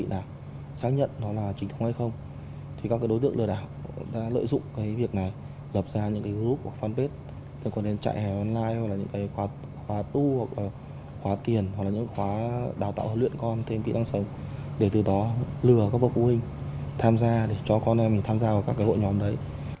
nếu đơn vị đã xác nhận nó là trinh thống hay không thì các đối tượng lừa đạo đã lợi dụng cái việc này lập ra những cái group hoặc fanpage liên quan đến chạy hè online hoặc là những cái khóa tu hoặc là khóa tiền hoặc là những khóa đào tạo huấn luyện con thêm kỹ năng sống để từ đó lừa các bộ phụ huynh tham gia để cho con em mình tham gia vào các cái hội nhóm đấy